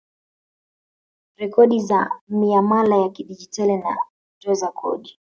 Rekodi za miamala ya kidigitali na kutoza kodi